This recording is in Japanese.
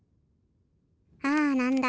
ああなんだ。